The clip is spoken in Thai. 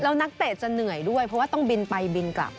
แล้วนักเตะจะเหนื่อยด้วยเพราะว่าต้องบินไปบินกลับ